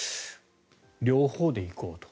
両方で行こうと。